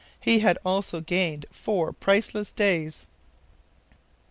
He had also gained four priceless days.